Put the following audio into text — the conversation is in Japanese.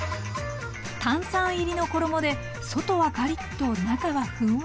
炭酸入りの衣で外はカリッと中はフンワリ。